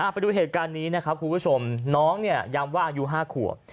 ไปดูเหตุการณ์นี้นะครับคุณผู้ชมน้องเนี่ยย้ำว่าอายุ๕ขวบ